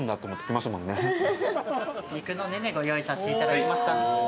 肉のねねご用意させていただきました。